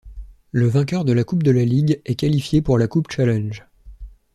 Le vainqueur de la Coupe de la Ligue est qualifié pour la Coupe Challenge.